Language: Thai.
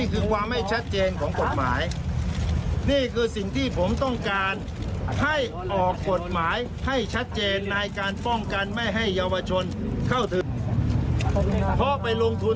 เพราะเขาไปลงทุนเกี่ยวกัญชาไว้เยอะ